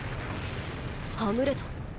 はぐれた？